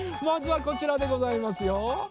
まずはこちらでございますよ。